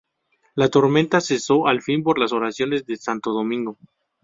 La tormenta cesó al fin por las oraciones de Santo Domingo.